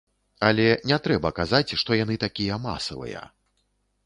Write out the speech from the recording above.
Але не трэба казаць, што яны такія масавыя.